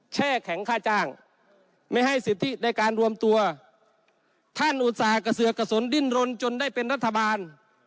แช่แข็งค่าจ้างไม่ให้สิทธิในการรวมตัวท่านอุตส่าห์กระเสือกกระสุนดิ้นรนจนได้เป็นรัฐบาล